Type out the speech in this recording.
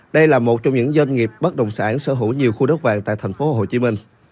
đây là một trong những doanh nghiệp bất đồng sản sở hữu nhiều khu đất vạn tại tp hcm